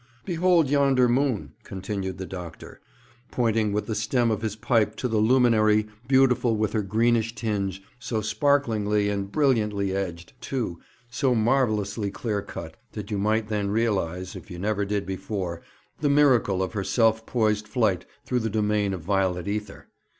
'Behold yonder moon,' continued the doctor, pointing with the stem of his pipe to the luminary, beautiful with her greenish tinge, so sparklingly and brilliantly edged, too, so marvellously clear cut, that you might then realize, if you never did before, the miracle of her self poised flight through the domain of violet ether.